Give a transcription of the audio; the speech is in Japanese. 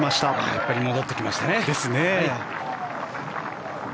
やっぱり戻ってきましたね。